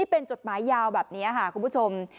เป็นจดหมายยาวแบบนี้ค่ะคุณผู้ชม